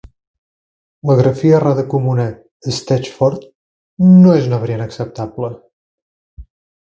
La grafia errada comuna Stetchford no és una variant acceptable.